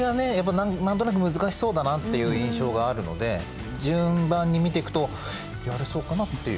何となく難しそうだなっていう印象があるので順番に見ていくとやれそうかなっていう。